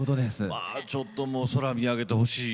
ちょっと空を見上げてほしい。